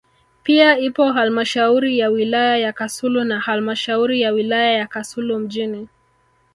pia ipo halmashauri ya wilaya ya Kasulu na halmashauri ya wilaya ya Kasulu mjini